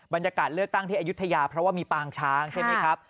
บรรยากาศเลือกตั้งที่อายุทยาเพราะว่ามีปางช้างใช่ไหมครับ